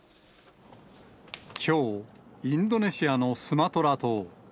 きょう、インドネシアのスマトラ島。